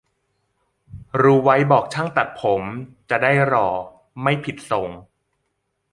รู้ไว้บอกช่างตัดผม จะได้หล่อไม่ผิดทรง